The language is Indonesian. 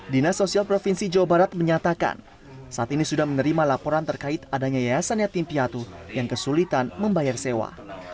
dinas sosial provinsi jawa barat menyatakan saat ini sudah menerima laporan terkait adanya yayasan yatim piatu yang kesulitan membayar sewa